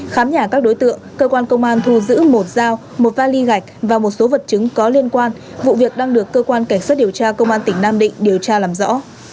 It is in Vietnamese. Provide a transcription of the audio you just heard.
khám nhà các đối tượng cơ quan công an thu giữ một dao một vali gạch và một số vật chứng có liên quan vụ việc đang được cơ quan cảnh sát điều tra công an tỉnh nam định điều tra làm rõ